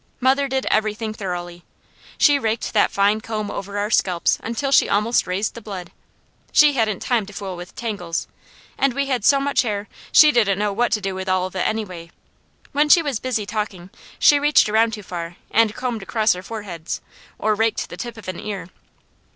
Mother did everything thoroughly. She raked that fine comb over our scalps until she almost raised the blood. She hadn't time to fool with tangles, and we had so much hair she didn't know what to do with all of it, anyway. When she was busy talking she reached around too far and combed across our foreheads or raked the tip of an ear.